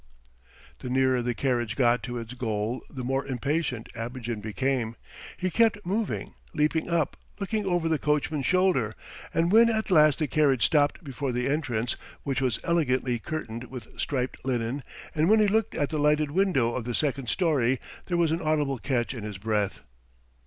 ... The nearer the carriage got to its goal the more impatient Abogin became. He kept moving, leaping up, looking over the coachman's shoulder. And when at last the carriage stopped before the entrance, which was elegantly curtained with striped linen, and when he looked at the lighted windows of the second storey there was an audible catch in his breath.